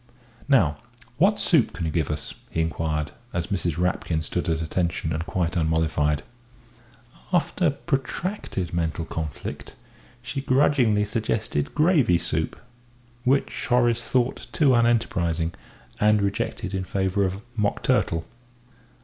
"Now, what soup can you give us?" he inquired, as Mrs. Rapkin stood at attention and quite unmollified. After protracted mental conflict, she grudgingly suggested gravy soup which Horace thought too unenterprising, and rejected in favour of mock turtle.